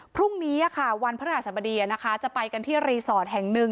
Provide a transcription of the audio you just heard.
พรุ่งนี้วันพระราชสมดีจะไปกันที่รีสอร์ทแห่งหนึ่ง